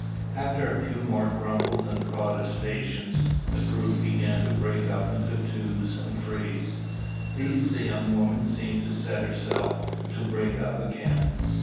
After a few more grumbles and protestations, the group began to break up into twos and threes. These the young woman seemed to set herself to break up again.